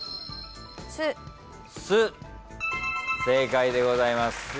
正解でございます。